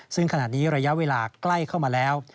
ซึ่งขณะนี้ระยะเวลาใกล้เข้ามาแล้ว